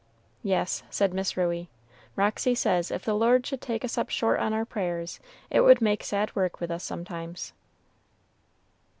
'" "Yes," said Miss Ruey, "Roxy says if the Lord should take us up short on our prayers, it would make sad work with us sometimes."